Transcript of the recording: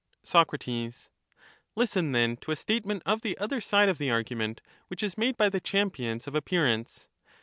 Soc, Listen, then, to a statement of the other side of the argument, which is made by the champions of appearance.